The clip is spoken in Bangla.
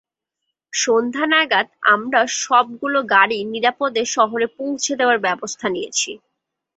সন্ধ্যা নাগাদ আমরা সবগুলো গাড়ি নিরাপদে শহরে পৌঁছে দেওয়ার ব্যবস্থা নিয়েছি।